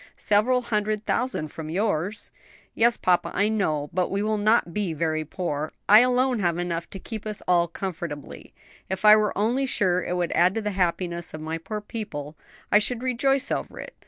"Several hundred thousand from yours." "Yes, papa, I know; but we will not be very poor. I alone have enough left to keep us all comfortably. If I were only sure it would add to the happiness of my poor people, I should rejoice over it.